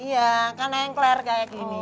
iya kan engkler kayak gini